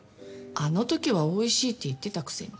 あの時はおいしいって言ってたくせに。